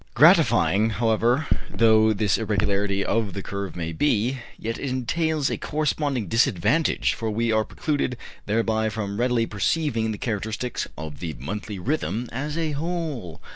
5. Gratifying, however, though this irregularity of the curve may be, yet it entails a corresponding disadvantage, for we are precluded thereby from readily perceiving the characteristics of the monthly rhythm as a whole.